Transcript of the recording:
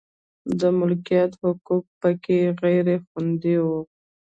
د مالکیت حقوق په کې غیر خوندي و.